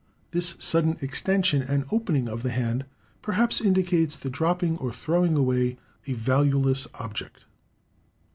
This sudden extension and opening of the hand perhaps indicates the dropping or throwing away a valueless object.